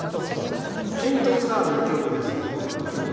新十津川で１曲ですよ。